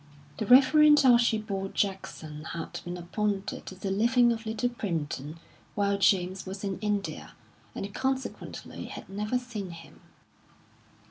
The Reverend Archibald Jackson had been appointed to the living of Little Primpton while James was in India, and consequently had never seen him.